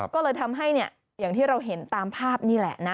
ก็เลยทำให้อย่างที่เราเห็นตามภาพนี่แหละนะ